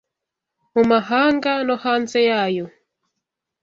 Mu mahanga no hanze yayo